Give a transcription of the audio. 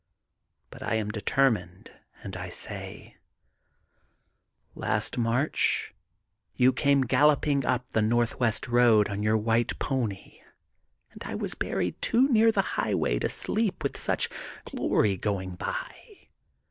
But I am determined and I say: '^Last THE GOLDEN BOOK OF SPRINGFIELD 229 March you came galloping up the Northwest Road on your white pony, and I was buried too near the highway to sleep, with such glory going by.